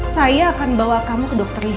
saya akan bawa kamu ke dokter riza